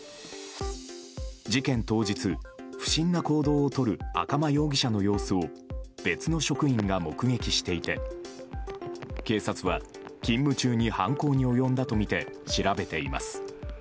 事件当日、不審な行動をとる赤間容疑者の様子を別の職員が目撃していて警察は勤務中に犯行に及んだとみて調べています。